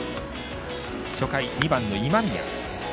初回２番の今宮。